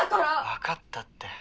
分かったって。